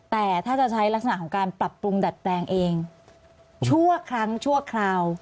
แต่ถ้าจะใช้ลักษณะของการปรับปรุงดัดแปลงเองชั่วครั้งชั่วคราว